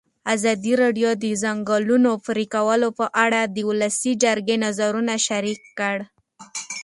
ازادي راډیو د د ځنګلونو پرېکول په اړه د ولسي جرګې نظرونه شریک کړي.